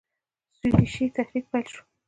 سودیشي تحریک پیل شو.